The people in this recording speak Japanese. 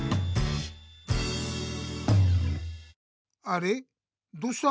あれっどうした？